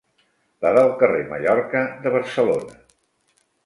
La del Carrer Mallorca de Barcelona.